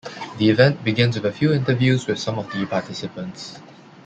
The event begins with a few interviews with some of the participants.